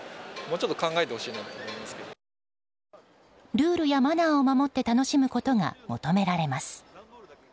ルールやマナーを守って楽しむことが求められます。